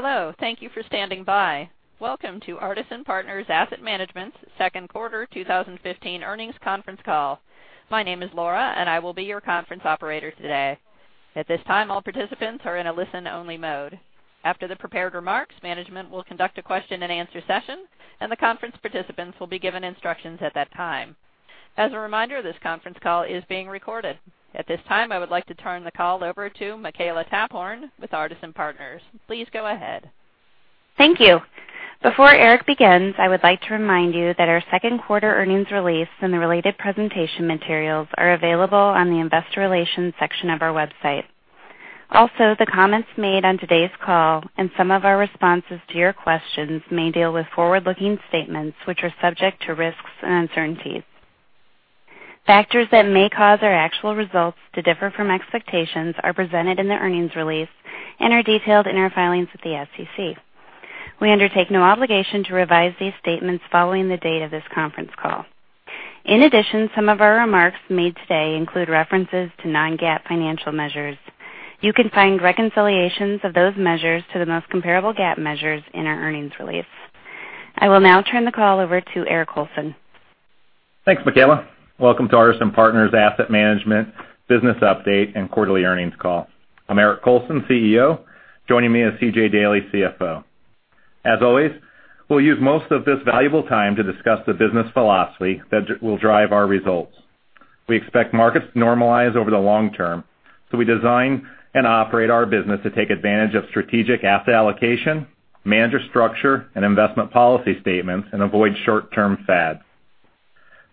Hello. Thank you for standing by. Welcome to Artisan Partners Asset Management's second quarter 2015 earnings conference call. My name is Laura, and I will be your conference operator today. At this time, all participants are in a listen-only mode. After the prepared remarks, management will conduct a question and answer session, and the conference participants will be given instructions at that time. As a reminder, this conference call is being recorded. At this time, I would like to turn the call over to Makela Taphorn with Artisan Partners. Please go ahead. Thank you. Before Eric begins, I would like to remind you that our second quarter earnings release and the related presentation materials are available on the investor relations section of our website. Also, the comments made on today's call and some of our responses to your questions may deal with forward-looking statements which are subject to risks and uncertainties. Factors that may cause our actual results to differ from expectations are presented in the earnings release and are detailed in our filings with the SEC. We undertake no obligation to revise these statements following the date of this conference call. In addition, some of our remarks made today include references to non-GAAP financial measures. You can find reconciliations of those measures to the most comparable GAAP measures in our earnings release. I will now turn the call over to Eric Colson. Thanks, Michaela. Welcome to Artisan Partners Asset Management business update and quarterly earnings call. I'm Eric Colson, CEO. Joining me is C.J. Daley, CFO. As always, we'll use most of this valuable time to discuss the business philosophy that will drive our results. We expect markets to normalize over the long term, so we design and operate our business to take advantage of strategic asset allocation, manager structure, and investment policy statements and avoid short-term fads.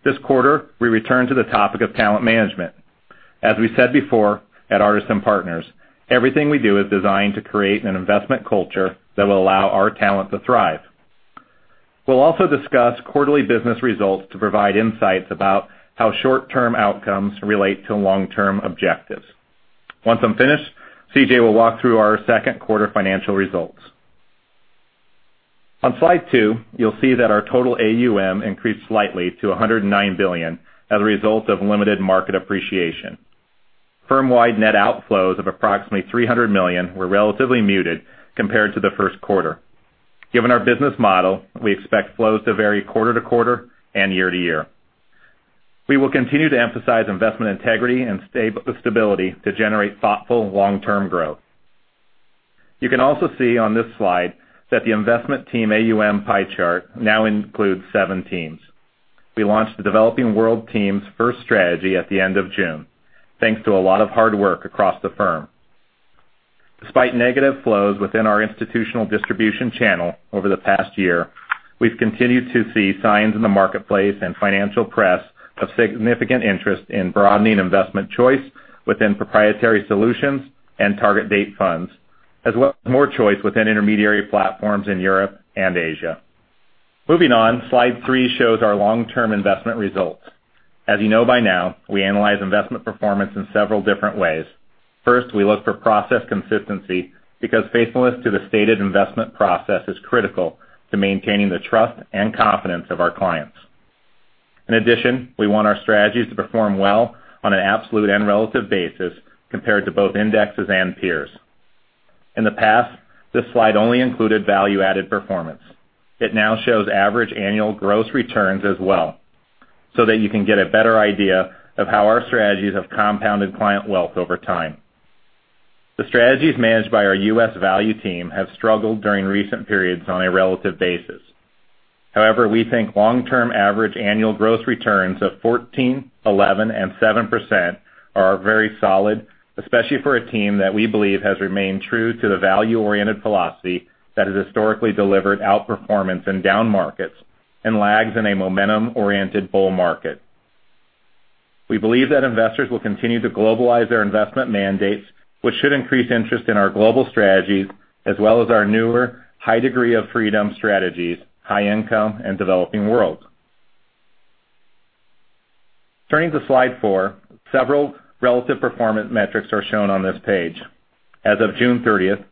This quarter, we return to the topic of talent management. As we said before, at Artisan Partners, everything we do is designed to create an investment culture that will allow our talent to thrive. We'll also discuss quarterly business results to provide insights about how short-term outcomes relate to long-term objectives. Once I'm finished, C.J. will walk through our second quarter financial results. On slide two, you'll see that our total AUM increased slightly to $109 billion as a result of limited market appreciation. Firm-wide net outflows of approximately $300 million were relatively muted compared to the first quarter. Given our business model, we expect flows to vary quarter to quarter and year to year. We will continue to emphasize investment integrity and stability to generate thoughtful long-term growth. You can also see on this slide that the investment team AUM pie chart now includes seven teams. We launched the developing world team's first strategy at the end of June, thanks to a lot of hard work across the firm. Despite negative flows within our institutional distribution channel over the past year, we've continued to see signs in the marketplace and financial press of significant interest in broadening investment choice within proprietary solutions and target date funds, as well as more choice within intermediary platforms in Europe and Asia. Moving on, slide three shows our long-term investment results. As you know by now, we analyze investment performance in several different ways. First, we look for process consistency because faithfulness to the stated investment process is critical to maintaining the trust and confidence of our clients. In addition, we want our strategies to perform well on an absolute and relative basis compared to both indexes and peers. In the past, this slide only included value-added performance. It now shows average annual gross returns as well, so that you can get a better idea of how our strategies have compounded client wealth over time. The strategies managed by our U.S. value team have struggled during recent periods on a relative basis. However, we think long-term average annual gross returns of 14%, 11%, and 7% are very solid, especially for a team that we believe has remained true to the value-oriented philosophy that has historically delivered outperformance in down markets and lags in a momentum-oriented bull market. We believe that investors will continue to globalize their investment mandates, which should increase interest in our global strategies, as well as our newer high degree of freedom strategies, high income and Developing World. Turning to slide four, several relative performance metrics are shown on this page. As of June 30th,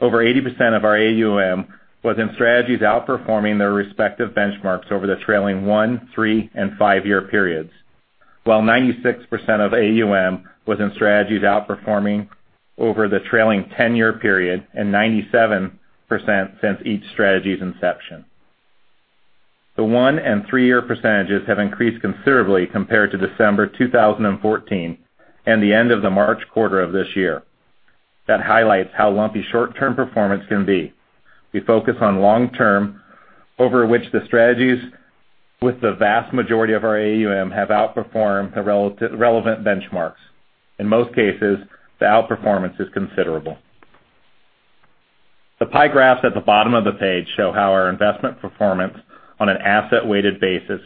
over 80% of our AUM was in strategies outperforming their respective benchmarks over the trailing one, three, and five-year periods. While 96% of AUM was in strategies outperforming over the trailing 10-year period and 97% since each strategy's inception. The one and three year percentages have increased considerably compared to December 2014 and the end of the March quarter of this year. That highlights how lumpy short-term performance can be. We focus on long-term, over which the strategies with the vast majority of our AUM have outperformed the relevant benchmarks. In most cases, the outperformance is considerable. The pie graphs at the bottom of the page show how our investment performance on an asset-weighted basis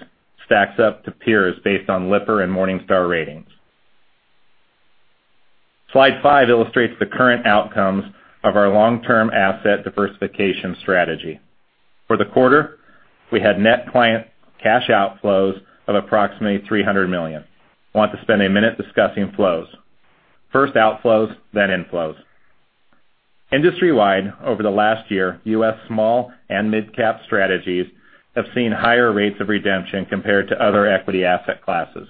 stacks up to peers based on Lipper and Morningstar ratings. Slide five illustrates the current outcomes of our long-term asset diversification strategy. For the quarter, we had net client cash outflows of approximately $300 million. I want to spend a minute discussing flows. First outflows, then inflows. Industry-wide, over the last year, U.S. small and mid-cap strategies have seen higher rates of redemption compared to other equity asset classes.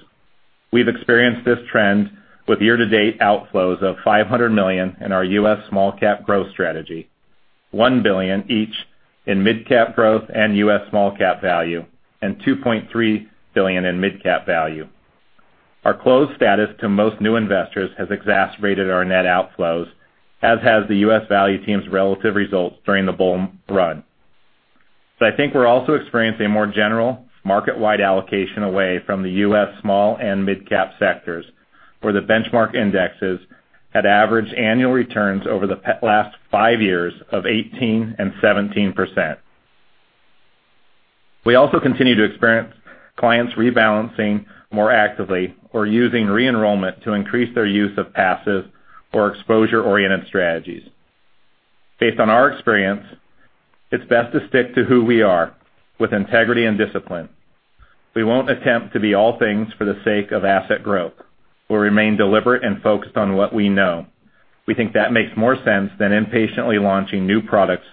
We've experienced this trend with year-to-date outflows of $500 million in our U.S. small cap growth strategy, $1 billion each in mid-cap growth and U.S. small cap value, and $2.3 billion in mid-cap value. Our closed status to most new investors has exacerbated our net outflows, as has the U.S. Value team's relative results during the bull run. I think we're also experiencing a more general market-wide allocation away from the U.S. small and mid-cap sectors, where the benchmark indexes had average annual returns over the last five years of 18% and 17%. We also continue to experience clients rebalancing more actively or using re-enrollment to increase their use of passive or exposure-oriented strategies. Based on our experience, it's best to stick to who we are with integrity and discipline. We won't attempt to be all things for the sake of asset growth. We'll remain deliberate and focused on what we know. We think that makes more sense than impatiently launching new products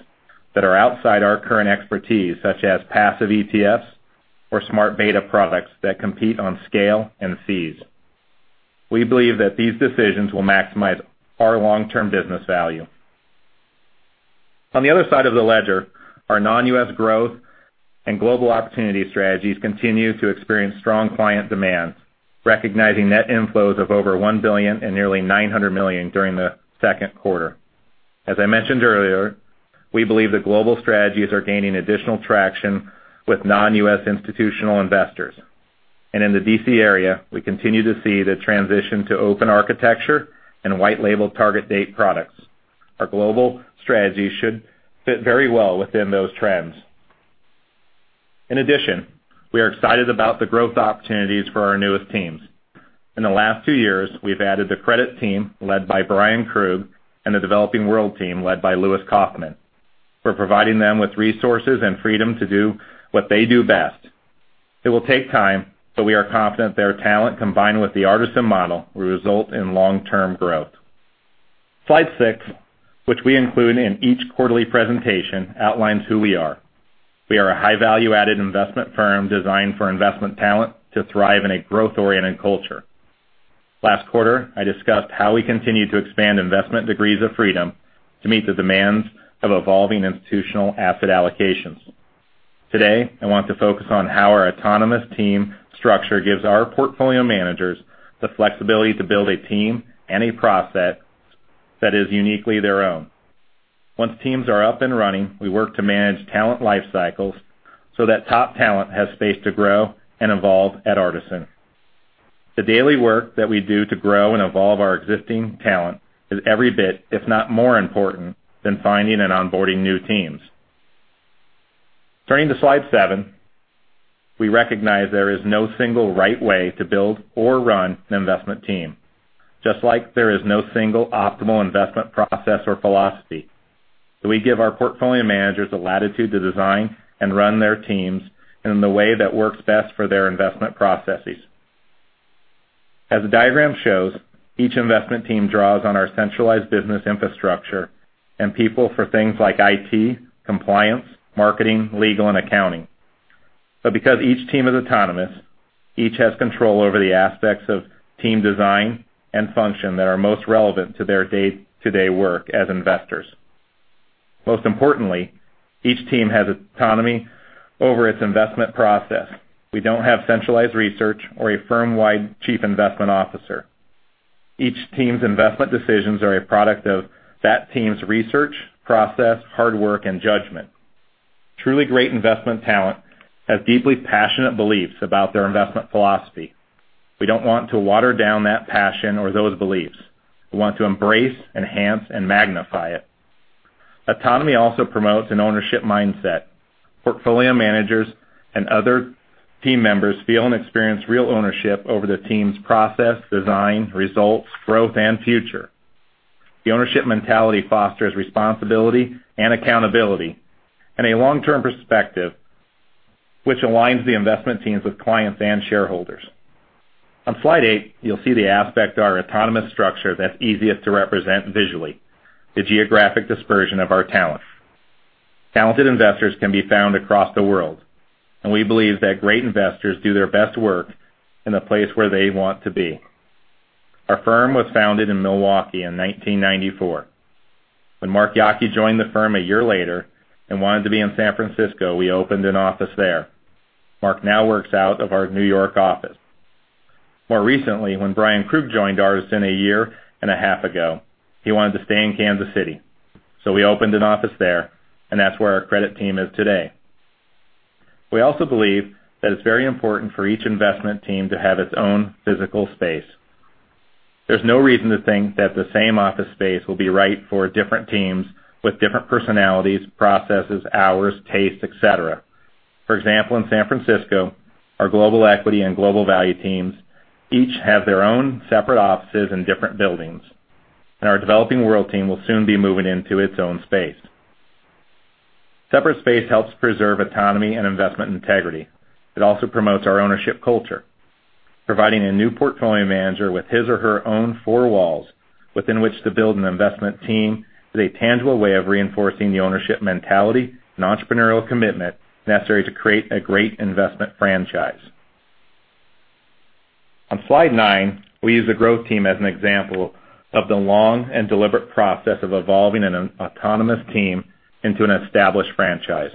that are outside our current expertise, such as passive ETFs or smart beta products that compete on scale and fees. We believe that these decisions will maximize our long-term business value. On the other side of the ledger, our non-U.S. growth and global opportunity strategies continue to experience strong client demand, recognizing net inflows of over $1 billion and nearly $900 million during the second quarter. As I mentioned earlier, we believe that global strategies are gaining additional traction with non-U.S. institutional investors. In the D.C. area, we continue to see the transition to open architecture and white label target date products. Our global strategies should fit very well within those trends. In addition, we are excited about the growth opportunities for our newest teams. In the last two years, we've added the credit team led by Bryan Krug and the developing world team led by Lewis Kaufman. We're providing them with resources and freedom to do what they do best. It will take time, but we are confident their talent, combined with the Artisan model, will result in long-term growth. Slide six, which we include in each quarterly presentation, outlines who we are. We are a high value-added investment firm designed for investment talent to thrive in a growth-oriented culture. Last quarter, I discussed how we continue to expand investment degrees of freedom to meet the demands of evolving institutional asset allocations. Today, I want to focus on how our autonomous team structure gives our portfolio managers the flexibility to build a team and a process that is uniquely their own. Once teams are up and running, we work to manage talent life cycles so that top talent has space to grow and evolve at Artisan. The daily work that we do to grow and evolve our existing talent is every bit, if not more important, than finding and onboarding new teams. Turning to slide seven, we recognize there is no single right way to build or run an investment team, just like there is no single optimal investment process or philosophy. We give our portfolio managers the latitude to design and run their teams in the way that works best for their investment processes. As the diagram shows, each investment team draws on our centralized business infrastructure and people for things like IT, compliance, marketing, legal, and accounting. Because each team is autonomous, each has control over the aspects of team design and function that are most relevant to their day-to-day work as investors. Most importantly, each team has autonomy over its investment process. We don't have centralized research or a firm-wide chief investment officer. Each team's investment decisions are a product of that team's research, process, hard work, and judgment. Truly great investment talent has deeply passionate beliefs about their investment philosophy. We don't want to water down that passion or those beliefs. We want to embrace, enhance, and magnify it. Autonomy also promotes an ownership mindset. Portfolio managers and other team members feel and experience real ownership over the team's process, design, results, growth, and future. The ownership mentality fosters responsibility and accountability and a long-term perspective, which aligns the investment teams with clients and shareholders. On slide eight, you'll see the aspect of our autonomous structure that's easiest to represent visually, the geographic dispersion of our talent. Talented investors can be found across the world, and we believe that great investors do their best work in the place where they want to be. Our firm was founded in Milwaukee in 1994. When Mark Yockey joined the firm a year later and wanted to be in San Francisco, we opened an office there. Mark now works out of our New York office. More recently, when Bryan Krug joined Artisan a year and a half ago, he wanted to stay in Kansas City, so we opened an office there, and that's where our credit team is today. We also believe that it's very important for each investment team to have its own physical space. There's no reason to think that the same office space will be right for different teams with different personalities, processes, hours, tastes, et cetera. For example, in San Francisco, our global equity and global value teams each have their own separate offices in different buildings, and our developing world team will soon be moving into its own space. Separate space helps preserve autonomy and investment integrity. It also promotes our ownership culture. Providing a new portfolio manager with his or her own four walls. Within which to build an investment team is a tangible way of reinforcing the ownership mentality and entrepreneurial commitment necessary to create a great investment franchise. On slide nine, we use the growth team as an example of the long and deliberate process of evolving an autonomous team into an established franchise.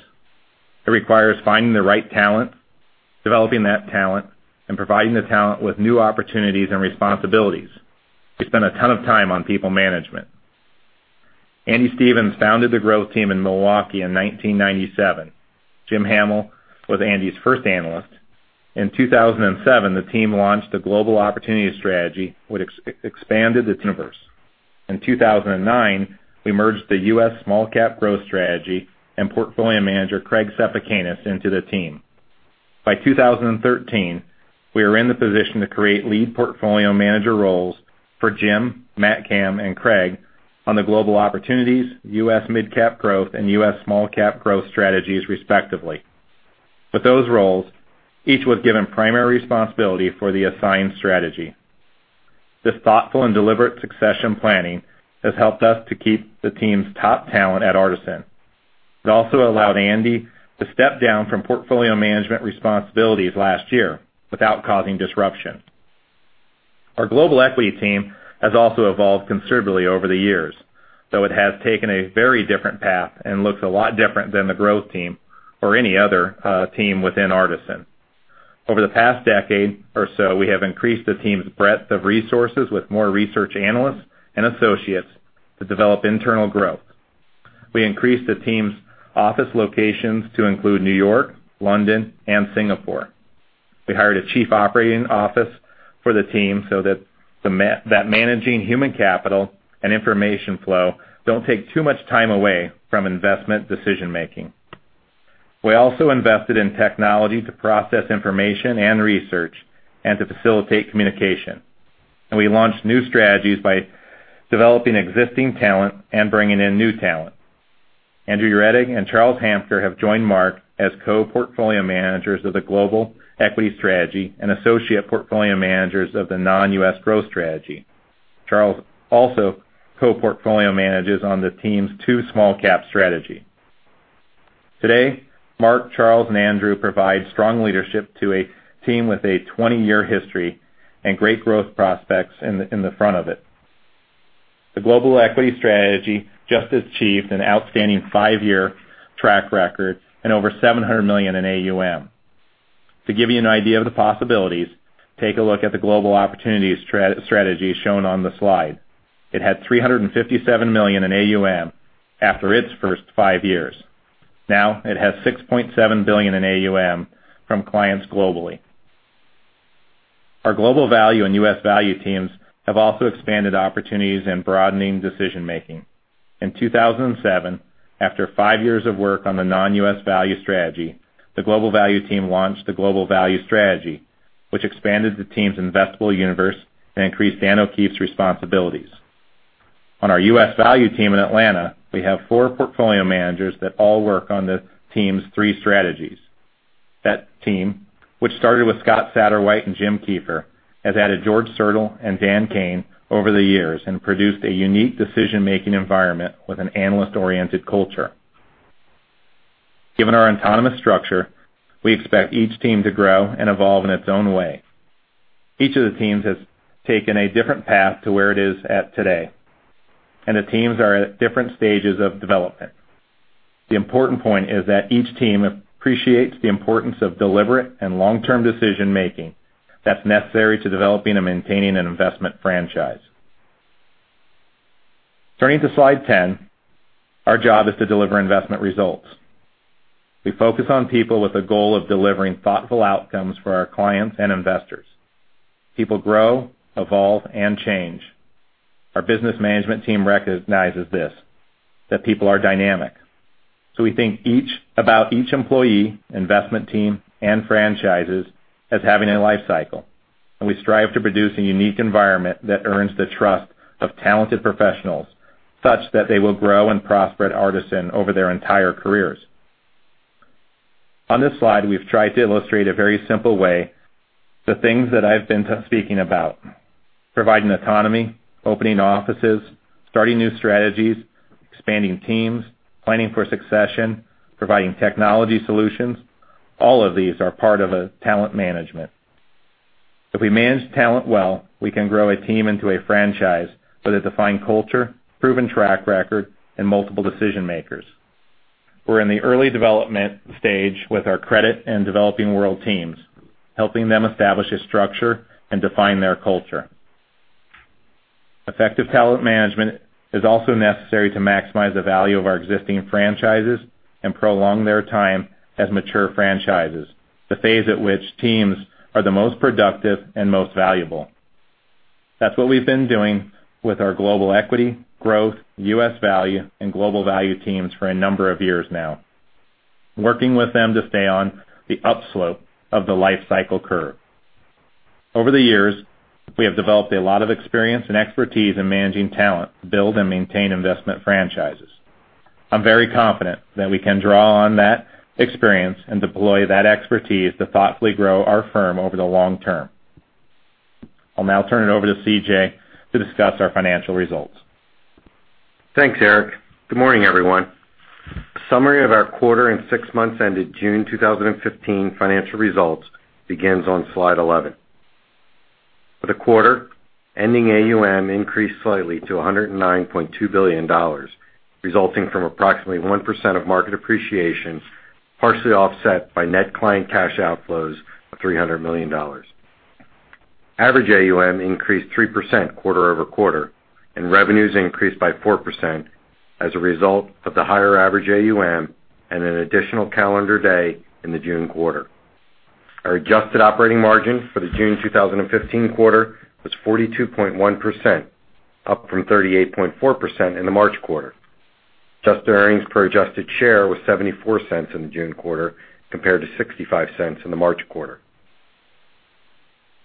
It requires finding the right talent, developing that talent, and providing the talent with new opportunities and responsibilities. We spend a ton of time on people management. Andy Stephens founded the growth team in Milwaukee in 1997. Jim Hamel was Andy's first analyst. In 2007, the team launched a global opportunity strategy, which expanded the universe. In 2009, we merged the U.S. small-cap growth strategy and portfolio manager Craig Cepukenas into the team. By 2013, we were in the position to create lead portfolio manager roles for Jim, Matt Kamm, and Craig on the global opportunities, U.S. mid-cap growth, and U.S. small-cap growth strategies respectively. With those roles, each was given primary responsibility for the assigned strategy. This thoughtful and deliberate succession planning has helped us to keep the team's top talent at Artisan. It also allowed Andy to step down from portfolio management responsibilities last year without causing disruption. Our global equity team has also evolved considerably over the years, though it has taken a very different path and looks a lot different than the growth team or any other team within Artisan. Over the past decade or so, we have increased the team's breadth of resources with more research analysts and associates to develop internal growth. We increased the team's office locations to include New York, London, and Singapore. We hired a chief operating officer for the team so that managing human capital and information flow don't take too much time away from investment decision-making. We also invested in technology to process information and research and to facilitate communication. We launched new strategies by developing existing talent and bringing in new talent. Andrew Euretig and Charles Hanker have joined Mark as co-portfolio managers of the global equity strategy and associate portfolio managers of the non-U.S. growth strategy. Charles also co-portfolio manages on the team's two small-cap strategy. Today, Mark, Charles, and Andrew provide strong leadership to a team with a 20-year history and great growth prospects in front of it. The global equity strategy just achieved an outstanding five-year track record and over $700 million in AUM. To give you an idea of the possibilities, take a look at the Global Opportunities Strategy shown on the slide. It had $357 million in AUM after its first five years. Now it has $6.7 billion in AUM from clients globally. Our global value and U.S. value teams have also expanded opportunities and broadening decision-making. In 2007, after five years of work on the non-U.S. value strategy, the global value team launched the Global Value Strategy, which expanded the team's investable universe and increased Dan O'Keefe's responsibilities. On our U.S. value team in Atlanta, we have four portfolio managers that all work on the team's three strategies. That team, which started with Scott Satterwhite and Jim Kieffer, has added George Sertl and Dan Kane over the years and produced a unique decision-making environment with an analyst-oriented culture. Given our autonomous structure, we expect each team to grow and evolve in its own way. Each of the teams has taken a different path to where it is today, and the teams are at different stages of development. The important point is that each team appreciates the importance of deliberate and long-term decision-making that's necessary to developing and maintaining an investment franchise. Turning to slide 10, our job is to deliver investment results. We focus on people with a goal of delivering thoughtful outcomes for our clients and investors. People grow, evolve, and change. Our business management team recognizes this, that people are dynamic. So we think about each employee, investment team, and franchises as having a life cycle, and we strive to produce a unique environment that earns the trust of talented professionals, such that they will grow and prosper at Artisan over their entire careers. On this slide, we've tried to illustrate a very simple way the things that I've been speaking about. Providing autonomy, opening offices, starting new strategies, expanding teams, planning for succession, providing technology solutions. All of these are part of a talent management. If we manage talent well, we can grow a team into a franchise with a defined culture, proven track record, and multiple decision-makers. We're in the early development stage with our Credit and Developing World teams, helping them establish a structure and define their culture. Effective talent management is also necessary to maximize the value of our existing franchises and prolong their time as mature franchises, the phase at which teams are the most productive and most valuable. That's what we've been doing with our Global Equity, Growth, U.S. Value, and Global Value teams for a number of years now. Working with them to stay on the up slope of the life cycle curve. Over the years, we have developed a lot of experience and expertise in managing talent to build and maintain investment franchises. I'm very confident that we can draw on that experience and deploy that expertise to thoughtfully grow our firm over the long term. I'll now turn it over to CJ to discuss our financial results. Thanks, Eric. Good morning, everyone. A summary of our quarter and six months ended June 2015 financial results begins on slide 11. For the quarter, ending AUM increased slightly to $109.2 billion, resulting from approximately 1% of market appreciation, partially offset by net client cash outflows of $300 million. Average AUM increased 3% quarter-over-quarter, and revenues increased by 4% as a result of the higher average AUM and an additional calendar day in the June quarter. Our adjusted operating margin for the June 2015 quarter was 42.1%, up from 38.4% in the March quarter. Adjusted earnings per adjusted share was $0.74 in the June quarter, compared to $0.65 in the March quarter.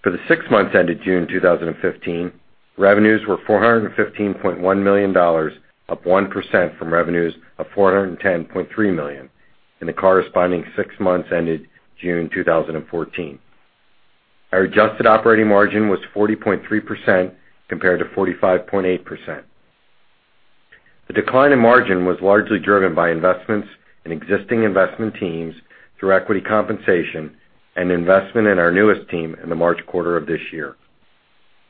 For the six months ended June 2015, revenues were $415.1 million, up 1% from revenues of $410.3 million in the corresponding six months ended June 2014. Our adjusted operating margin was 40.3%, compared to 45.8%. The decline in margin was largely driven by investments in existing investment teams through equity compensation and investment in our newest team in the March quarter of this year.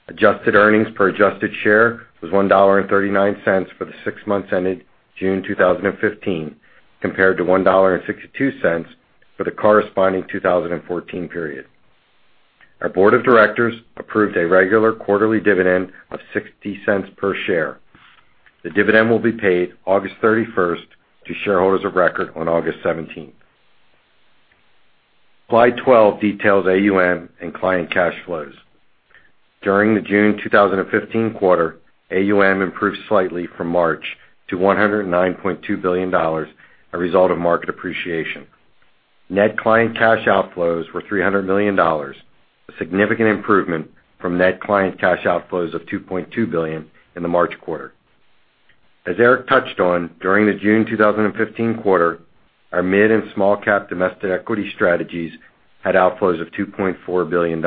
Adjusted earnings per adjusted share was $1.39 for the six months ended June 2015, compared to $1.62 for the corresponding 2014 period. Our board of directors approved a regular quarterly dividend of $0.60 per share. The dividend will be paid August 31st to shareholders of record on August 17th. Slide 12 details AUM and client cash flows. During the June 2015 quarter, AUM improved slightly from March to $109.2 billion, a result of market appreciation. Net client cash outflows were $300 million, a significant improvement from net client cash outflows of $2.2 billion in the March quarter. As Eric touched on, during the June 2015 quarter, our mid and small-cap domestic equity strategies had outflows of $2.4 billion.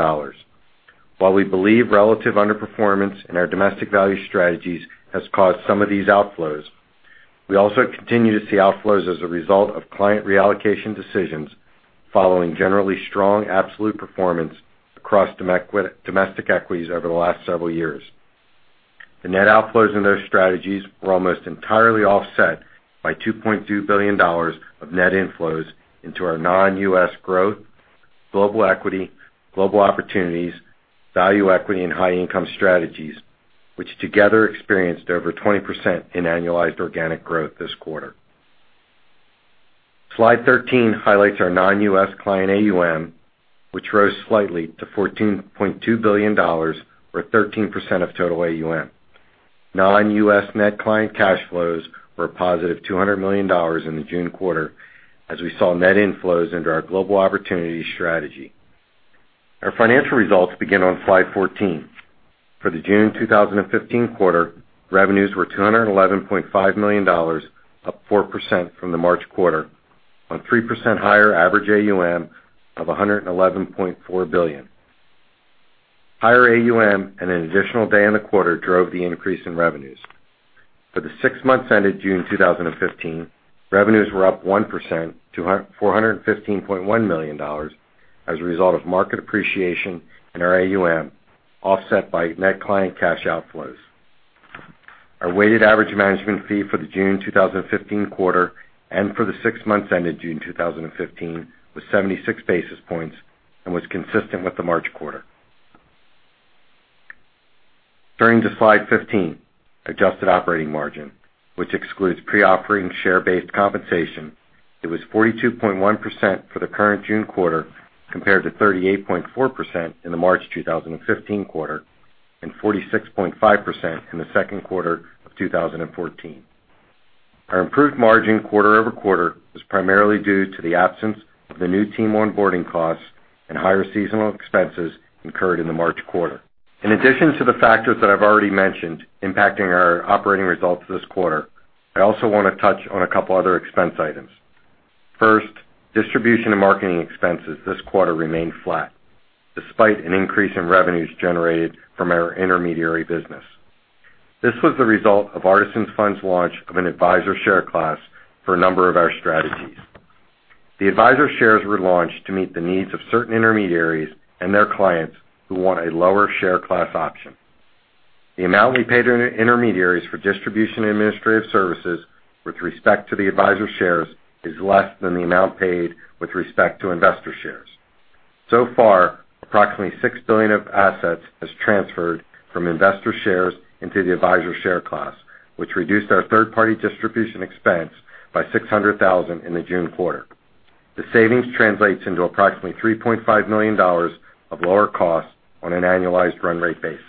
While we believe relative underperformance in our domestic value strategies has caused some of these outflows, we also continue to see outflows as a result of client reallocation decisions following generally strong absolute performance across domestic equities over the last several years. The net outflows in those strategies were almost entirely offset by $2.2 billion of net inflows into our non-U.S. growth, global equity, global opportunities, value equity, and high income strategies, which together experienced over 20% in annualized organic growth this quarter. Slide 13 highlights our non-U.S. client AUM, which rose slightly to $14.2 billion or 13% of total AUM. Non-U.S. net client cash flows were a positive $200 million in the June quarter, as we saw net inflows into our global opportunity strategy. Our financial results begin on slide 14. For the June 2015 quarter, revenues were $211.5 million, up 4% from the March quarter, on 3% higher average AUM of $111.4 billion. Higher AUM and an additional day in the quarter drove the increase in revenues. For the six months ended June 2015, revenues were up 1% to $415.1 million as a result of market appreciation in our AUM, offset by net client cash outflows. Our weighted average management fee for the June 2015 quarter and for the six months ended June 2015 was 76 basis points and was consistent with the March quarter. Turning to slide 15, adjusted operating margin, which excludes pre-offering share-based compensation, it was 42.1% for the current June quarter, compared to 38.4% in the March 2015 quarter and 46.5% in the second quarter of 2014. Our improved margin quarter-over-quarter was primarily due to the absence of the new team onboarding costs and higher seasonal expenses incurred in the March quarter. In addition to the factors that I've already mentioned impacting our operating results this quarter, I also want to touch on a couple other expense items. First, distribution and marketing expenses this quarter remained flat despite an increase in revenues generated from our intermediary business. This was the result of Artisan's funds launch of an advisor share class for a number of our strategies. The advisor shares were launched to meet the needs of certain intermediaries and their clients who want a lower share class option. The amount we paid our intermediaries for distribution and administrative services with respect to the advisor shares is less than the amount paid with respect to investor shares. Approximately $6 billion of assets has transferred from investor shares into the advisor share class, which reduced our third-party distribution expense by $600,000 in the June quarter. The savings translates into approximately $3.5 million of lower cost on an annualized run rate basis.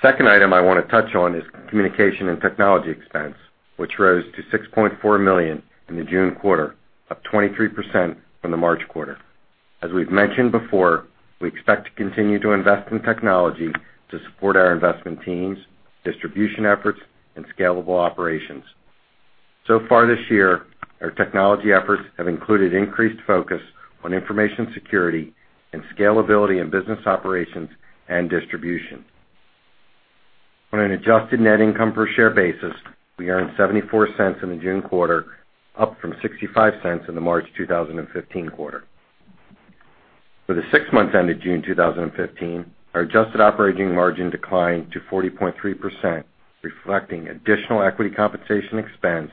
Second item I want to touch on is communication and technology expense, which rose to $6.4 million in the June quarter, up 23% from the March quarter. As we've mentioned before, we expect to continue to invest in technology to support our investment teams, distribution efforts, and scalable operations. Our technology efforts have included increased focus on information security and scalability in business operations and distribution. On an adjusted net income per share basis, we earned $0.74 in the June quarter, up from $0.65 in the March 2015 quarter. For the six months ended June 2015, our adjusted operating margin declined to 40.3%, reflecting additional equity compensation expense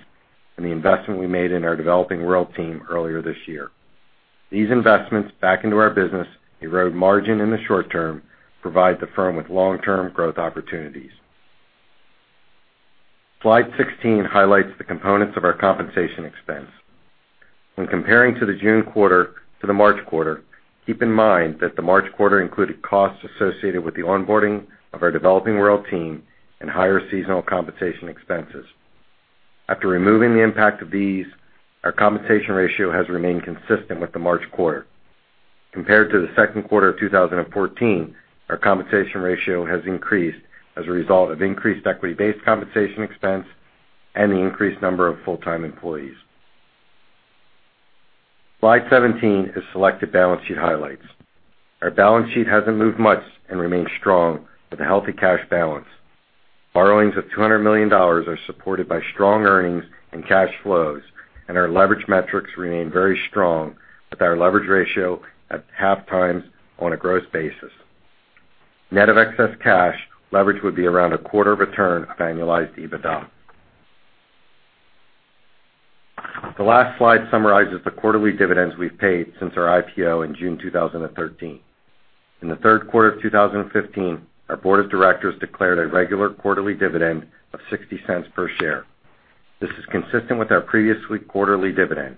and the investment we made in our developing world team earlier this year. These investments back into our business erode margin in the short term, provide the firm with long-term growth opportunities. Slide 16 highlights the components of our compensation expense. When comparing to the June quarter to the March quarter, keep in mind that the March quarter included costs associated with the onboarding of our developing world team and higher seasonal compensation expenses. After removing the impact of these, our compensation ratio has remained consistent with the March quarter. Compared to the second quarter of 2014, our compensation ratio has increased as a result of increased equity-based compensation expense and the increased number of full-time employees. Slide 17 is selected balance sheet highlights. Our balance sheet hasn't moved much and remains strong with a healthy cash balance. Borrowings of $200 million are supported by strong earnings and cash flows, and our leverage metrics remain very strong with our leverage ratio at half times on a gross basis. Net of excess cash leverage would be around a quarter of a turn of annualized EBITDA. The last slide summarizes the quarterly dividends we've paid since our IPO in June 2013. In the third quarter of 2015, our board of directors declared a regular quarterly dividend of $0.60 per share. This is consistent with our previous quarterly dividend.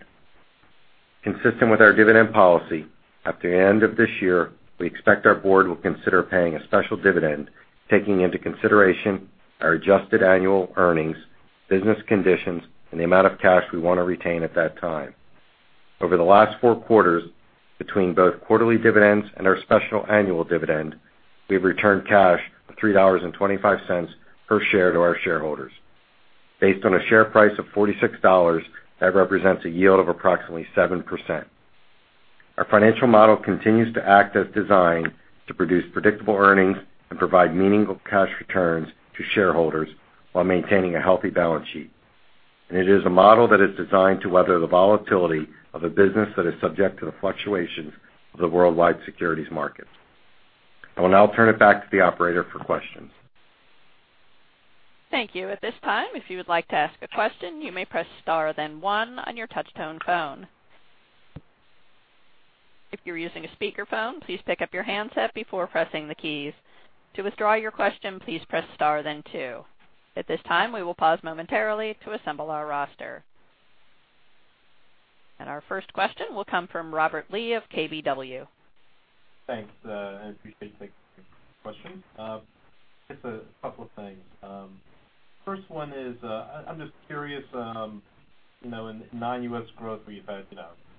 Consistent with our dividend policy, at the end of this year, we expect our board will consider paying a special dividend, taking into consideration our adjusted annual earnings, business conditions, and the amount of cash we want to retain at that time. Over the last four quarters, between both quarterly dividends and our special annual dividend, we've returned cash of $3.25 per share to our shareholders. Based on a share price of $46, that represents a yield of approximately 7%. Our financial model continues to act as designed to produce predictable earnings and provide meaningful cash returns to shareholders while maintaining a healthy balance sheet. It is a model that is designed to weather the volatility of a business that is subject to the fluctuations of the worldwide securities market. I will now turn it back to the operator for questions. Thank you. At this time, if you would like to ask a question, you may press star then one on your touch tone phone. If you're using a speakerphone, please pick up your handset before pressing the keys. To withdraw your question, please press star then two. At this time, we will pause momentarily to assemble our roster. Our first question will come from Robert Lee of KBW. Thanks. I appreciate you taking the question. Just a couple of things. First one is, I'm just curious, in non-U.S. growth, where you've had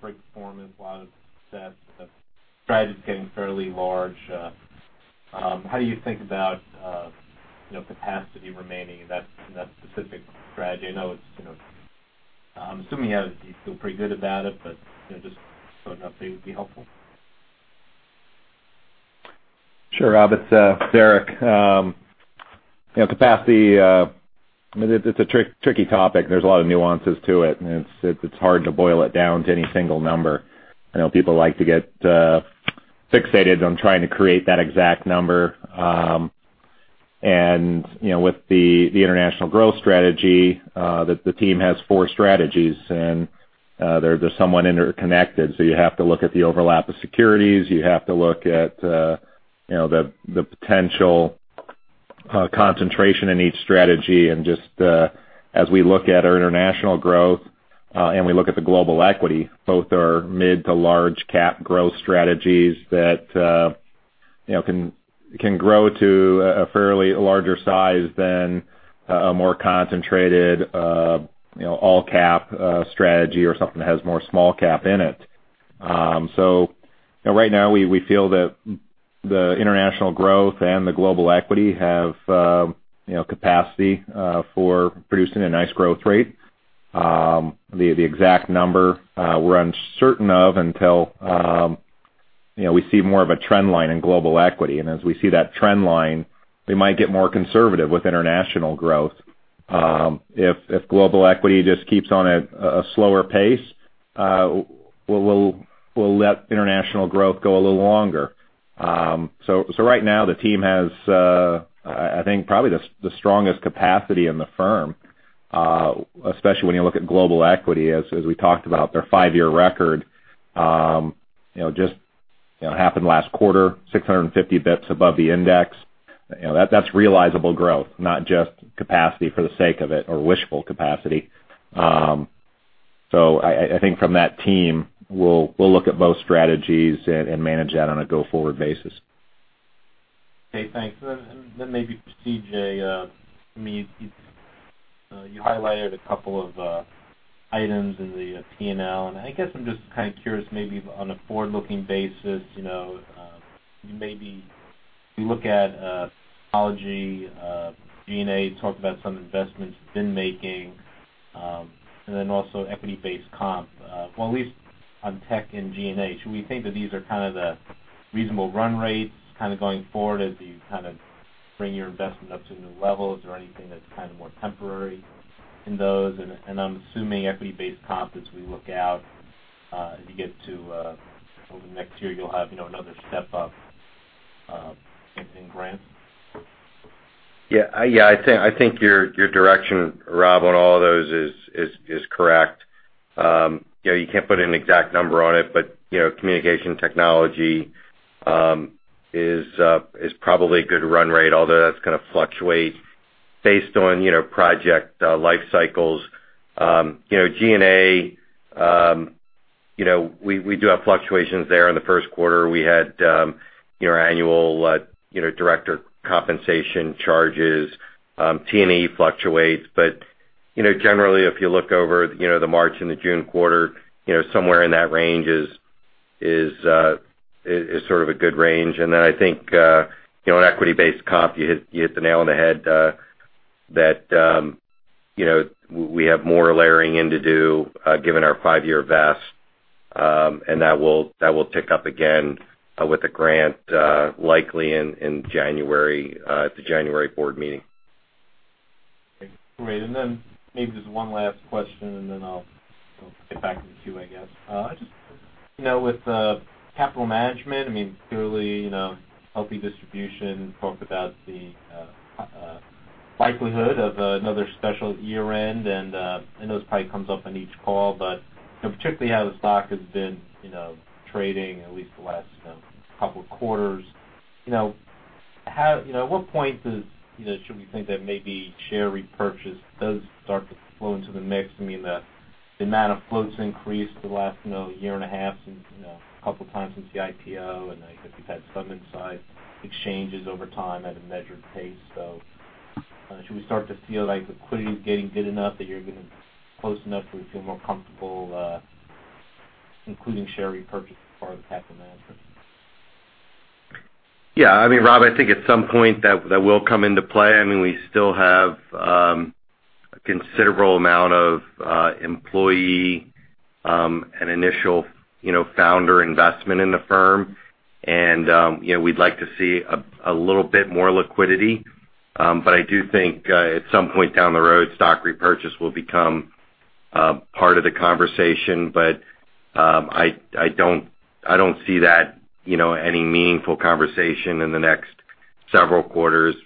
great performance, a lot of sets of strategies getting fairly large. How do you think about capacity remaining in that specific strategy? I'm assuming you feel pretty good about it, but just an update would be helpful. Sure, Rob. It is Derek. Capacity, it is a tricky topic. There is a lot of nuances to it, and it is hard to boil it down to any single number. I know people like to get fixated on trying to create that exact number. With the international growth strategy, the team has four strategies, and they are somewhat interconnected. You have to look at the overlap of securities. You have to look at the potential concentration in each strategy. Just as we look at our international growth, and we look at the global equity, both are mid to large cap growth strategies that can grow to a fairly larger size than a more concentrated all cap strategy or something that has more small cap in it. Right now, we feel that the international growth and the global equity have capacity for producing a nice growth rate. The exact number we are uncertain of until we see more of a trend line in global equity. As we see that trend line, we might get more conservative with international growth. If global equity just keeps on a slower pace, we will let international growth go a little longer. Right now, the team has, I think, probably the strongest capacity in the firm, especially when you look at global equity. As we talked about their five-year record, just happened last quarter, 650 basis points above the index. That is realizable growth, not just capacity for the sake of it or wishful capacity. I think from that team, we will look at both strategies and manage that on a go-forward basis. Okay, thanks. Maybe for CJ, you highlighted a couple of items in the P&L, and I guess I am just curious, maybe on a forward-looking basis, maybe we look at technology. G&A talked about some investments you have been making, and then also equity-based comp, well, at least on tech and G&A. Should we think that these are the reasonable run rates going forward as you bring your investment up to new levels or anything that is more temporary in those? I am assuming equity-based comp as we look out, as you get to over the next year, you will have another step-up in grant. Yeah. I think your direction, Rob, on all those is correct. You cannot put an exact number on it, but communication technology is probably a good run rate, although that is going to fluctuate based on project life cycles. G&A, we do have fluctuations there. In the first quarter, we had annual director compensation charges. T&E fluctuates. Generally, if you look over the March and the June quarter, somewhere in that range is sort of a good range. I think, on equity-based comp, you hit the nail on the head, that we have more layering in to do, given our five-year vest. That will pick up again with the grant likely at the January board meeting. Maybe just one last question and then I'll get back in the queue, I guess. Just with capital management, clearly, healthy distribution, talked about the likelihood of another special year-end. I know this probably comes up in each call, but particularly how the stock has been trading at least the last couple of quarters. At what point should we think that maybe share repurchase does start to flow into the mix? The amount of floats increased the last year and a half, a couple of times since the IPO, and I guess we've had some inside exchanges over time at a measured pace. Should we start to feel like liquidity is getting good enough that you're getting close enough where you feel more comfortable including share repurchase as part of the capital management? Rob, I think at some point that will come into play. We still have a considerable amount of employee and initial founder investment in the firm. We'd like to see a little bit more liquidity. I do think at some point down the road, stock repurchase will become part of the conversation. I don't see any meaningful conversation in the next several quarters.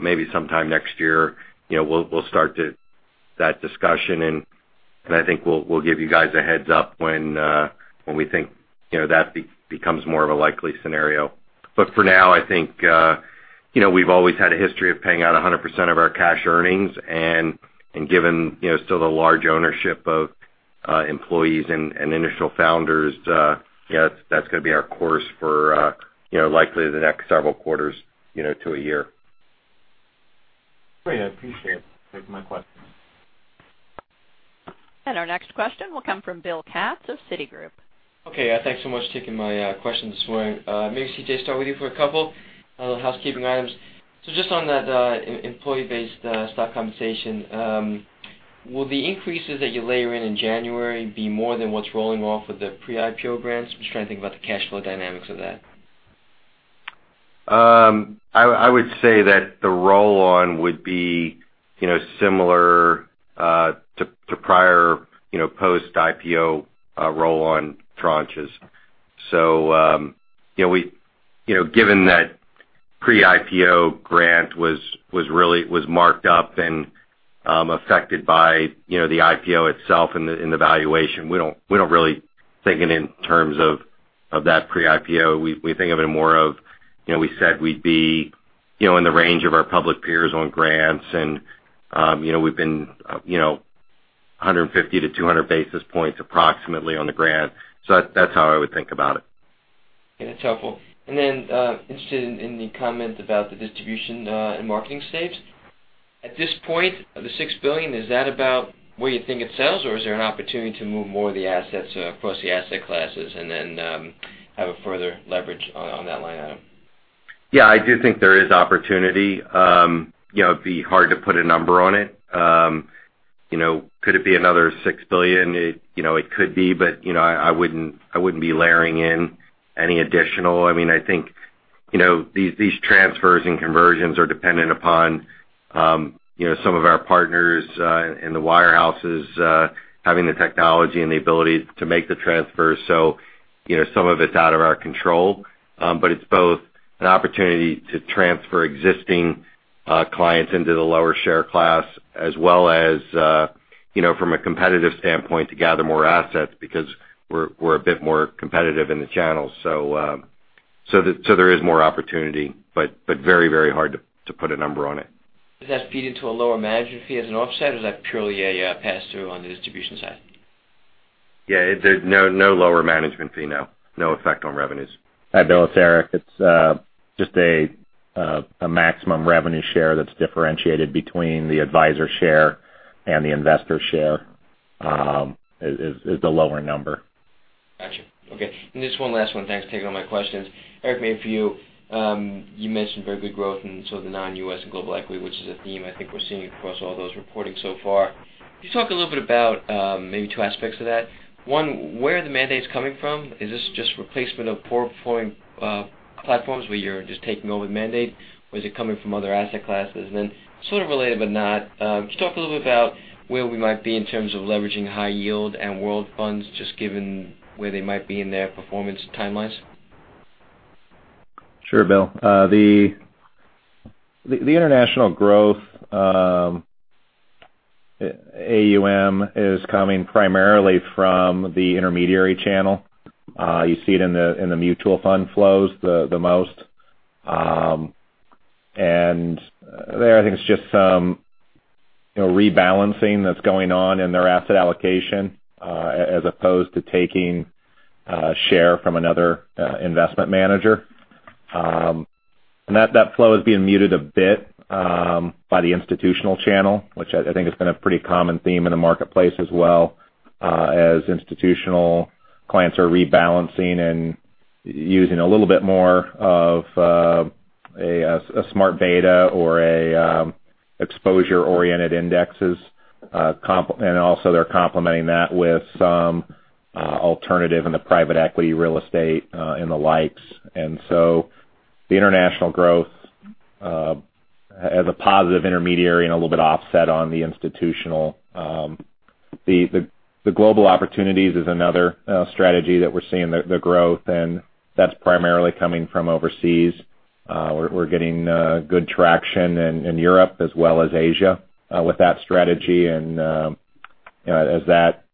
Maybe sometime next year, we'll start that discussion. I think we'll give you guys a heads up when we think that becomes more of a likely scenario. For now, I think we've always had a history of paying out 100% of our cash earnings, and given still the large ownership of employees and initial founders, that's going to be our course for likely the next several quarters to a year. Great. I appreciate it. That's my questions. Our next question will come from Bill Katz of Citigroup. Okay. Thanks so much for taking my question this morning. Maybe C.J., start with you for a couple of housekeeping items. Just on that employee-based stock compensation, will the increases that you layer in in January be more than what's rolling off of the pre-IPO grants? I'm just trying to think about the cash flow dynamics of that. I would say that the roll-on would be similar to prior post-IPO roll-on tranches. Given that pre-IPO grant was marked up and affected by the IPO itself and the valuation, we don't really think it in terms of that pre-IPO. We think of it more of, we said we'd be in the range of our public peers on grants, and we've been 150 to 200 basis points approximately on the grant. That's how I would think about it. Okay. That's helpful. Interested in the comment about the distribution and marketing saves. At this point, the $6 billion, is that about where you think it settles, or is there an opportunity to move more of the assets across the asset classes and then have a further leverage on that line item? Yeah, I do think there is opportunity. It'd be hard to put a number on it. Could it be another $6 billion? It could be, but I wouldn't be layering in any additional. I think these transfers and conversions are dependent upon some of our partners in the wirehouses having the technology and the ability to make the transfers. Some of it's out of our control. It's both an opportunity to transfer existing clients into the lower share class as well as, from a competitive standpoint, to gather more assets because we're a bit more competitive in the channels. There is more opportunity, but very hard to put a number on it. Does that feed into a lower management fee as an offset, or is that purely a pass-through on the distribution side? Yeah, there's no lower management fee, no. No effect on revenues. Hi, Bill, it's Eric. It's just a maximum revenue share that's differentiated between the advisor share and the investor share, is the lower number. Got you. Okay. Just one last one. Thanks for taking all my questions. Eric, maybe for you. You mentioned very good growth in some of the non-U.S. and global equity, which is a theme I think we're seeing across all those reporting so far. Can you talk a little bit about maybe two aspects of that? One, where are the mandates coming from? Is this just replacement of poor-performing platforms where you're just taking over the mandate, or is it coming from other asset classes? And then sort of related but not, could you talk a little bit about where we might be in terms of leveraging high yield and world funds, just given where they might be in their performance timelines? Sure, Bill. The international growth AUM is coming primarily from the intermediary channel. You see it in the mutual fund flows the most. There, I think it's just some rebalancing that's going on in their asset allocation, as opposed to taking share from another investment manager. That flow is being muted a bit by the institutional channel, which I think has been a pretty common theme in the marketplace as well. As institutional clients are rebalancing and using a little bit more of a smart beta or exposure-oriented indexes. Also they're complementing that with some alternative in the private equity real estate and the likes. The international growth has a positive intermediary and a little bit offset on the institutional. The global opportunities is another strategy that we're seeing the growth, and that's primarily coming from overseas. We're getting good traction in Europe as well as Asia with that strategy. As that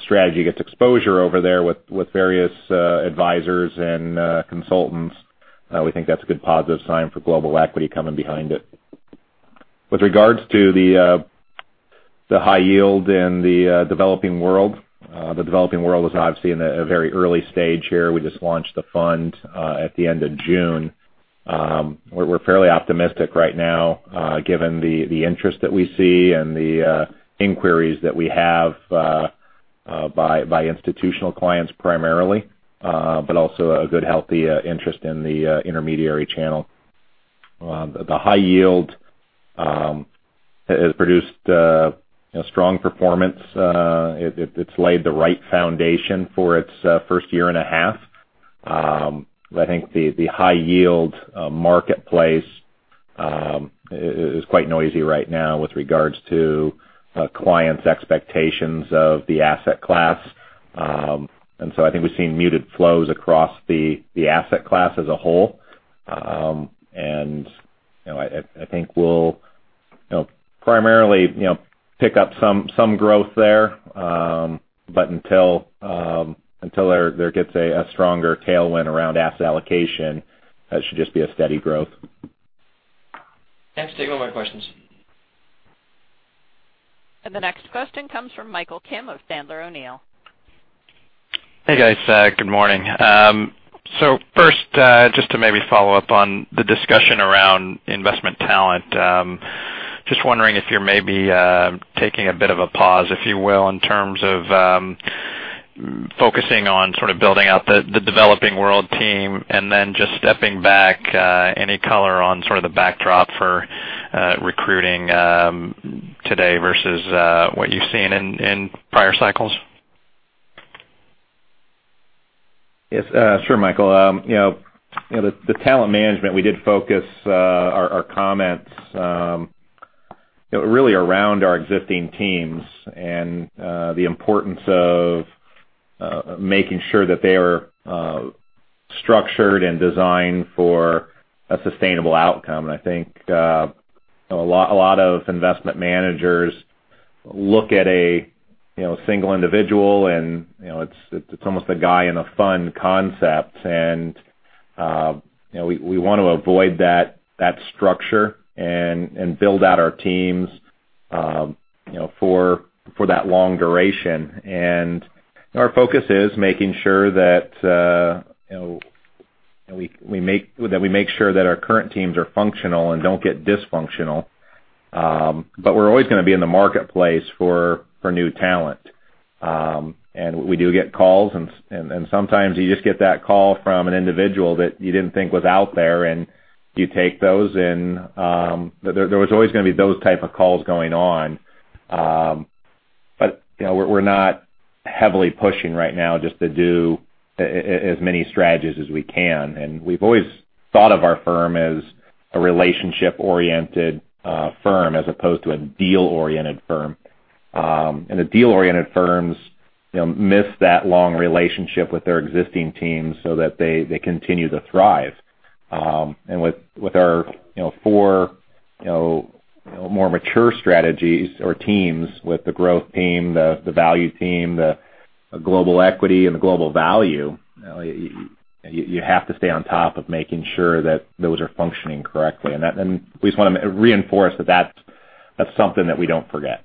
strategy gets exposure over there with various advisors and consultants, we think that's a good positive sign for global equity coming behind it. With regards to the high yield in the developing world. The developing world is obviously in a very early stage here. We just launched the fund at the end of June. We're fairly optimistic right now, given the interest that we see and the inquiries that we have by institutional clients primarily. Also a good, healthy interest in the intermediary channel. The high yield has produced a strong performance. It's laid the right foundation for its first year and a half. I think the high yield marketplace is quite noisy right now with regards to clients' expectations of the asset class. I think we've seen muted flows across the asset class as a whole. I think we'll primarily pick up some growth there. Until there gets a stronger tailwind around asset allocation, that should just be a steady growth. Thanks. Take all my questions. The next question comes from Michael Kim of Sandler O'Neill. Hey, guys. Good morning. First, just to maybe follow up on the discussion around investment talent. Wondering if you're maybe taking a bit of a pause, if you will, in terms of focusing on sort of building out the developing world team. Stepping back, any color on sort of the backdrop for recruiting today versus what you've seen in prior cycles? Yes. Sure, Michael. The talent management, we did focus our comments really around our existing teams and the importance of making sure that they are structured and designed for a sustainable outcome. I think a lot of investment managers look at a single individual, and it's almost a guy in a fun concept. We want to avoid that structure and build out our teams for that long duration. Our focus is making sure that we make sure that our current teams are functional and don't get dysfunctional. We're always going to be in the marketplace for new talent. We do get calls, and sometimes you just get that call from an individual that you didn't think was out there, and you take those. There was always going to be those type of calls going on. We're not heavily pushing right now just to do as many strategies as we can. We've always thought of our firm as a relationship-oriented firm as opposed to a deal-oriented firm. The deal-oriented firms miss that long relationship with their existing teams so that they continue to thrive. With our four more mature strategies or teams, with the Growth Team, the Value Team, the Global Equity, and the Global Value, we have to stay on top of making sure that those are functioning correctly, and we just want to reinforce that that's something that we don't forget.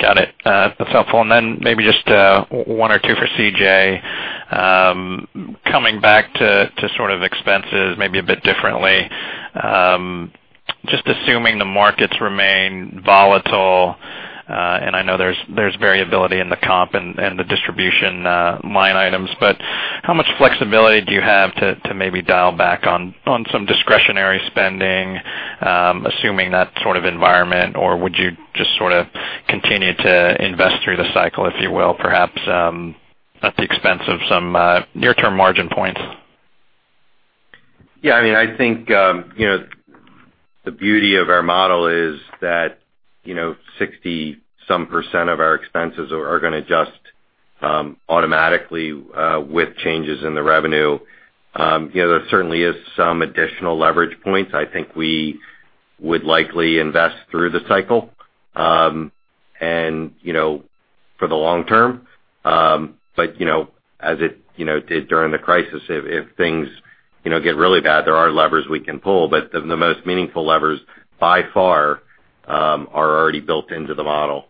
Got it. That's helpful. Maybe just one or two for C.J. Coming back to sort of expenses maybe a bit differently. Assuming the markets remain volatile, I know there's variability in the comp and the distribution line items, how much flexibility do you have to maybe dial back on some discretionary spending, assuming that sort of environment? Would you just sort of continue to invest through the cycle, if you will, perhaps at the expense of some near-term margin points? I think the beauty of our model is that 60-some% of our expenses are going to adjust automatically with changes in the revenue. There certainly is some additional leverage points. I think we would likely invest through the cycle. For the long term. As it did during the crisis, if things get really bad, there are levers we can pull. The most meaningful levers, by far, are already built into the model.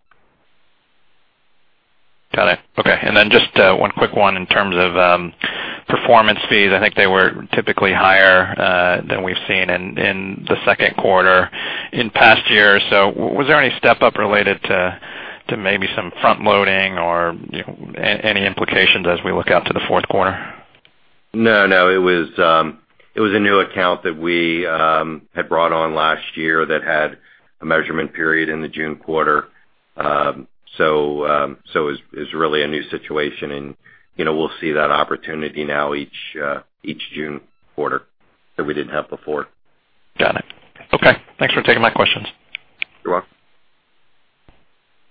Got it. Okay. Just one quick one in terms of performance fees. I think they were typically higher than we've seen in the second quarter in past years. Was there any step-up related to maybe some front-loading or any implications as we look out to the fourth quarter? No, it was a new account that we had brought on last year that had a measurement period in the June quarter. It's really a new situation, and we'll see that opportunity now each June quarter that we didn't have before. Got it. Okay. Thanks for taking my questions. You're welcome.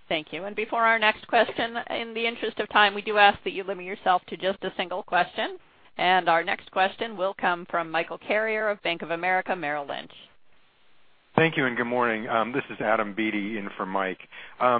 Thank you. Before our next question, in the interest of time, we do ask that you limit yourself to just a single question. Our next question will come from Michael Carrier of Bank of America Merrill Lynch. Thank you. Good morning. This is Adam Beatty in for Mike.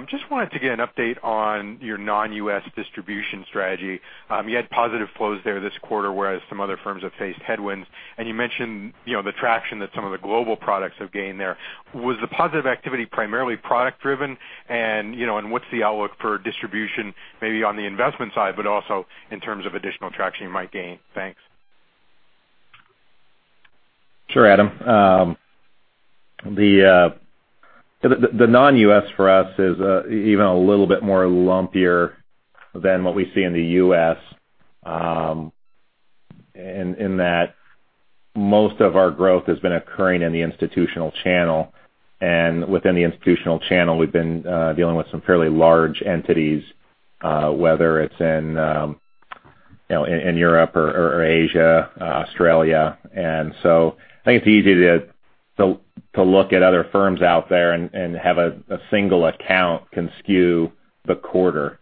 Just wanted to get an update on your non-U.S. distribution strategy. You had positive flows there this quarter, whereas some other firms have faced headwinds. You mentioned the traction that some of the global products have gained there. Was the positive activity primarily product driven? What's the outlook for distribution, maybe on the investment side, but also in terms of additional traction you might gain? Thanks. Sure, Adam. The non-U.S. for us is even a little bit more lumpier than what we see in the U.S., in that most of our growth has been occurring in the institutional channel. Within the institutional channel, we've been dealing with some fairly large entities, whether it's in Europe or Asia, Australia. I think it's easy to look at other firms out there and have a single account can skew the quarter.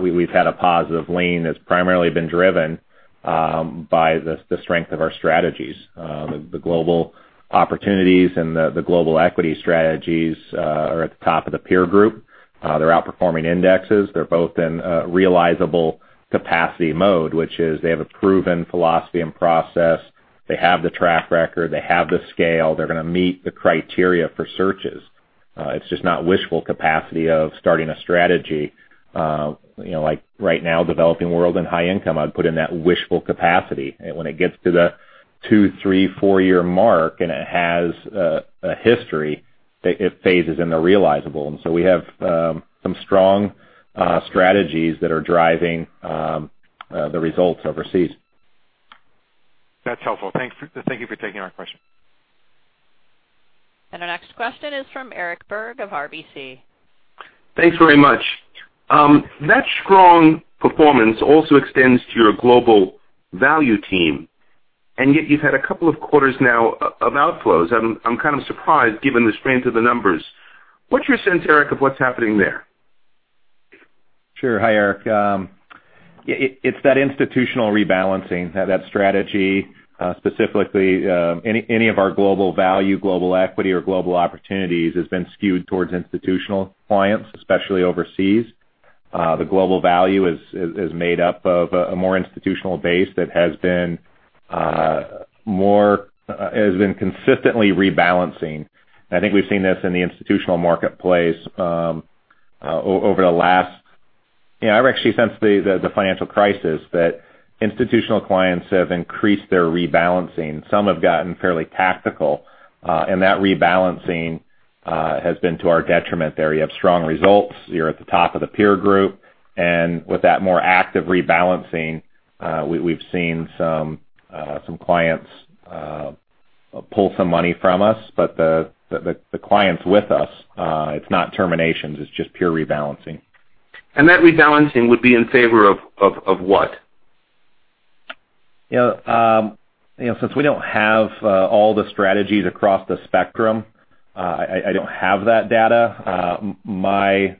We've had a positive lean that's primarily been driven by the strength of our strategies. The Global Opportunities and the Global Equity strategies are at the top of the peer group. They're outperforming indexes. They're both in realizable capacity mode, which is they have a proven philosophy and process. They have the track record. They have the scale. They're going to meet the criteria for searches. It's just not wishful capacity of starting a strategy. Like right now, developing world and high income, I would put in that wishful capacity. When it gets to the two, three, four-year mark, and it has a history, it phases into realizable. We have some strong strategies that are driving the results overseas. That's helpful. Thank you for taking our question. Our next question is from Eric Berg of RBC. Thanks very much. That strong performance also extends to your global value team, and yet you've had a couple of quarters now of outflows. I'm kind of surprised given the strength of the numbers. What's your sense, Eric, of what's happening there? Sure. Hi, Eric. It's that institutional rebalancing. That strategy, specifically any of our global value, global equity or global opportunities, has been skewed towards institutional clients, especially overseas. The global value is made up of a more institutional base that has been consistently rebalancing. I think we've seen this in the institutional marketplace over the last since the financial crisis, that institutional clients have increased their rebalancing. Some have gotten fairly tactical. That rebalancing has been to our detriment there. You have strong results. You're at the top of the peer group. With that more active rebalancing, we've seen some clients pull some money from us. The clients with us, it's not terminations, it's just pure rebalancing. That rebalancing would be in favor of what? Since we don't have all the strategies across the spectrum, I don't have that data. My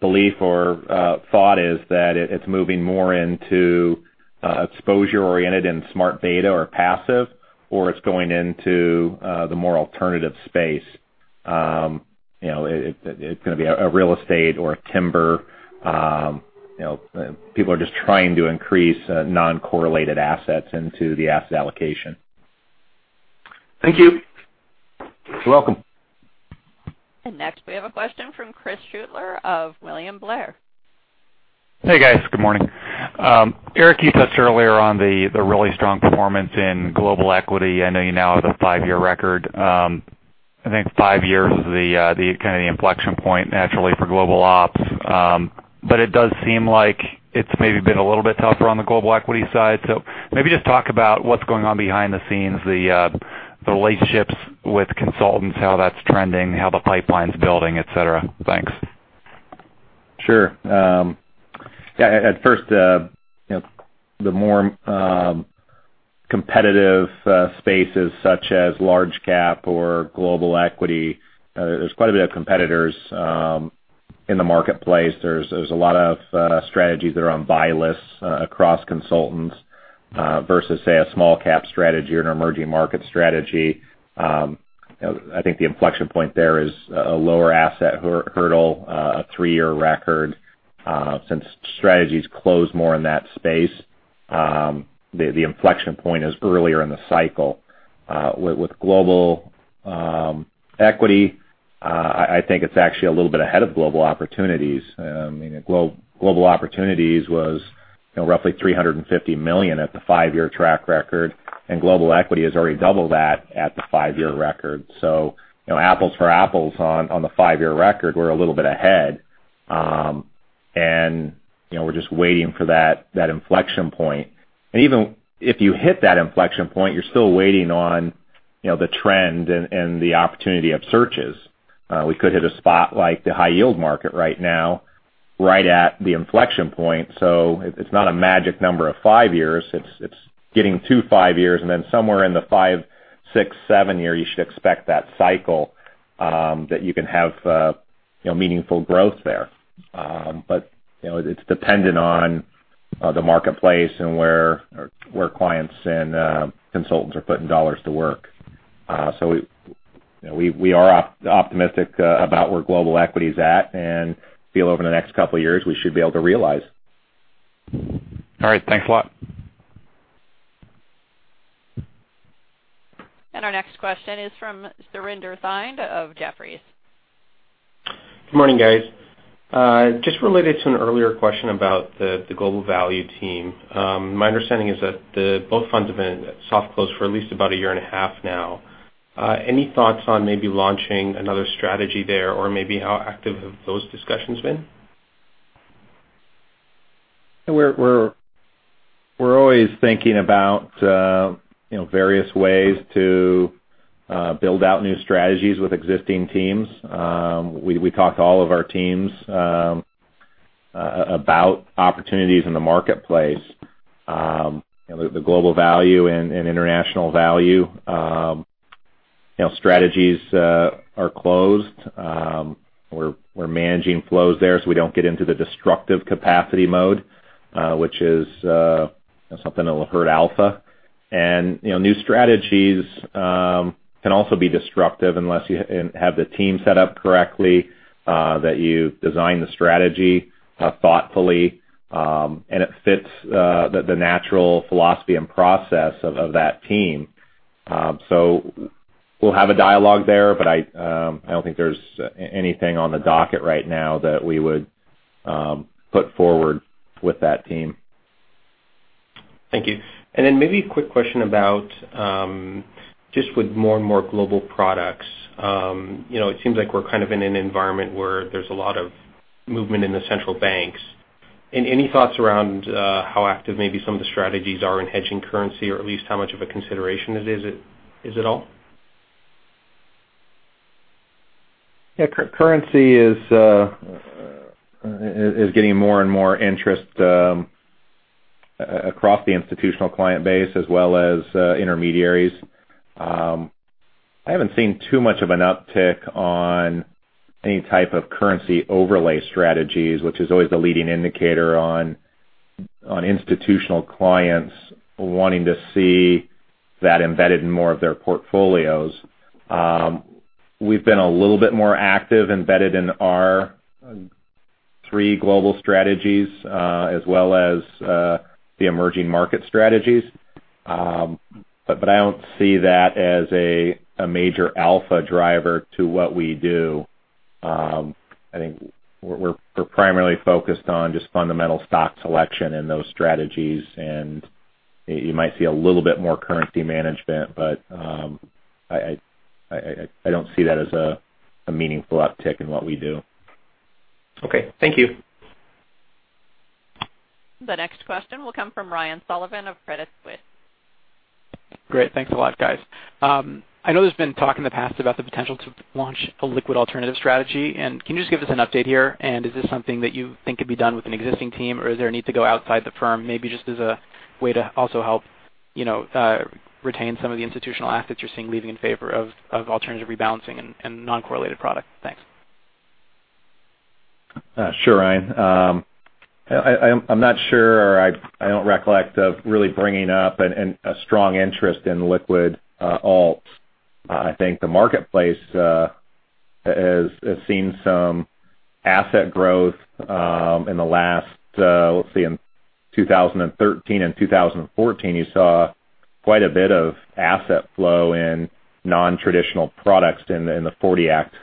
belief or thought is that it's moving more into exposure oriented in smart beta or passive, or it's going into the more alternative space. It's going to be a real estate or a timber. People are just trying to increase non-correlated assets into the asset allocation. Thank you. You're welcome. Next we have a question from Chris Shutler of William Blair. Hey, guys. Good morning. Eric, you touched earlier on the really strong performance in global equity. I know you now have a five-year record. I think five years is the inflection point naturally for global opps. It does seem like it's maybe been a little bit tougher on the global equity side. Maybe just talk about what's going on behind the scenes, the relationships with consultants, how that's trending, how the pipeline's building, et cetera. Thanks. Sure. Yeah, at first, the more competitive spaces such as large cap or global equity, there's quite a bit of competitors in the marketplace. There's a lot of strategies that are on buy lists across consultants versus, say, a small cap strategy or an emerging market strategy. I think the inflection point there is a lower asset hurdle, a three-year record. Since strategies close more in that space, the inflection point is earlier in the cycle. With global equity, I think it's actually a little bit ahead of global opportunities. Global opportunities was roughly $350 million at the five-year track record, and global equity is already double that at the five-year record. Apples for apples on the five-year record, we're a little bit ahead. And we're just waiting for that inflection point. Even if you hit that inflection point, you're still waiting on the trend and the opportunity of searches. We could hit a spot like the high yield market right now, right at the inflection point. It's not a magic number of five years. It's getting to five years, and then somewhere in the five, six, seven year, you should expect that cycle that you can have meaningful growth there. It's dependent on the marketplace and where clients and consultants are putting dollars to work. We are optimistic about where global equity is at and feel over the next couple of years, we should be able to realize. All right. Thanks a lot. Our next question is from Daniel Fannon of Jefferies. Good morning, guys. Just related to an earlier question about the global value team. My understanding is that both funds have been soft close for at least about a year and a half now. Any thoughts on maybe launching another strategy there or maybe how active have those discussions been? We're always thinking about various ways to build out new strategies with existing teams. We talk to all of our teams about opportunities in the marketplace. The global value and international value strategies are closed. We're managing flows there so we don't get into the destructive capacity mode, which is something that'll hurt alpha. New strategies can also be destructive unless you have the team set up correctly, that you design the strategy thoughtfully, and it fits the natural philosophy and process of that team. We'll have a dialogue there, but I don't think there's anything on the docket right now that we would put forward with that team. Thank you. Maybe a quick question about just with more and more global products. It seems like we're in an environment where there's a lot of movement in the central banks. Any thoughts around how active maybe some of the strategies are in hedging currency or at least how much of a consideration it is at all? Yeah. Currency is getting more and more interest across the institutional client base as well as intermediaries. I haven't seen too much of an uptick on any type of currency overlay strategies, which is always the leading indicator on institutional clients wanting to see that embedded in more of their portfolios. We've been a little bit more active embedded in our three global strategies as well as the emerging market strategies. I don't see that as a major alpha driver to what we do. I think we're primarily focused on just fundamental stock selection and those strategies, you might see a little bit more currency management, but I don't see that as a meaningful uptick in what we do. Okay. Thank you. The next question will come from Ryan Sullivan of Credit Suisse. Great. Thanks a lot, guys. I know there's been talk in the past about the potential to launch a liquid alternative strategy. Can you just give us an update here? Is this something that you think could be done with an existing team, or is there a need to go outside the firm, maybe just as a way to also help retain some of the institutional assets you're seeing leaving in favor of alternative rebalancing and non-correlated product? Thanks. Sure, Ryan. I'm not sure, or I don't recollect of really bringing up a strong interest in liquid alts. I think the marketplace has seen some asset growth in the last Let's see, in 2013 and 2014, you saw quite a bit of asset flow in non-traditional products in the '40 Act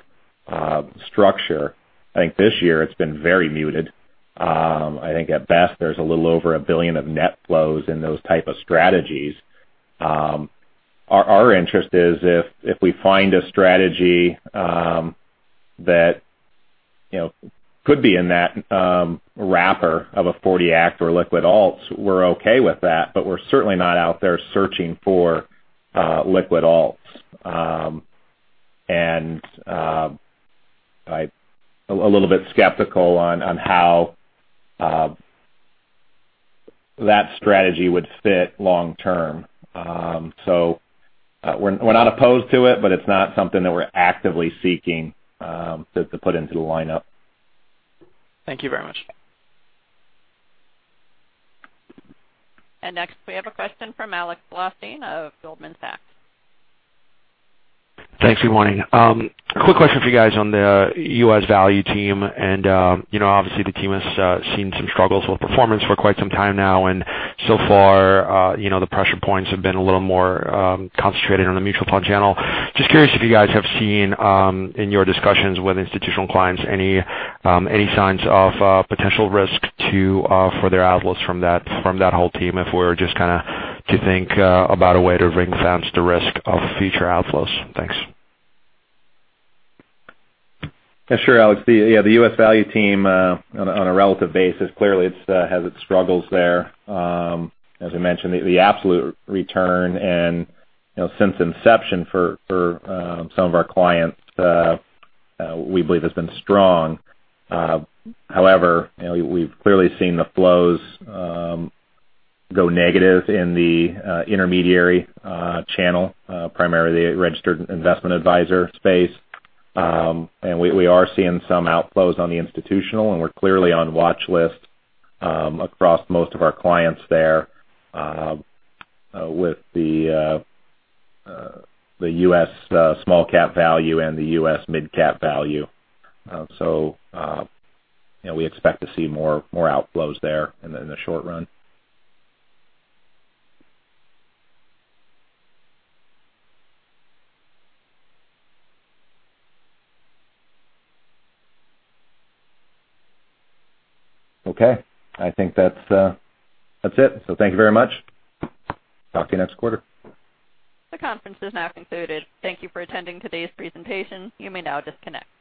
structure. I think this year it's been very muted. I think at best, there's a little over $1 billion of net flows in those type of strategies. Our interest is if we find a strategy that could be in that wrapper of a '40 Act or liquid alts, we're okay with that, but we're certainly not out there searching for liquid alts. A little bit skeptical on how that strategy would fit long-term. We're not opposed to it, but it's not something that we're actively seeking to put into the lineup. Thank you very much. Next we have a question from Alex Blostein of Goldman Sachs. Thanks. Good morning. Quick question for you guys on the U.S. Value team, obviously the team has seen some struggles with performance for quite some time now. So far, the pressure points have been a little more concentrated on the mutual fund channel. Just curious if you guys have seen, in your discussions with institutional clients, any signs of potential risk for their outflows from that whole team, if we're just kind of to think about a way to ring-fence the risk of future outflows. Thanks. Yeah, sure, Alex. The U.S. Value team, on a relative basis, clearly it has its struggles there. As I mentioned, the absolute return and since inception for some of our clients, we believe has been strong. However, we've clearly seen the flows go negative in the intermediary channel, primarily the registered investment advisor space. We are seeing some outflows on the institutional, and we're clearly on watch list across most of our clients there with the U.S. small cap value and the U.S. midcap value. We expect to see more outflows there in the short run. Okay. I think that's it. Thank you very much. Talk to you next quarter. The conference is now concluded. Thank you for attending today's presentation. You may now disconnect.